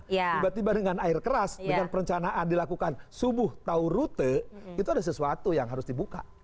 tiba tiba dengan air keras dengan perencanaan dilakukan subuh tahu rute itu ada sesuatu yang harus dibuka